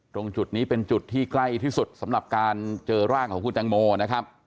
ตรงจุดนี้เป็นจุดที่ใกล้ที่สุดสำหรับการเจอร่างของคุณแตงโมนะครับ